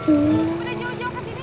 udah jauh jauh kesini